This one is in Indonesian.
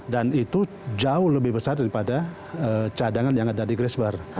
dan itu jauh lebih besar daripada cadangan yang ada di grisberg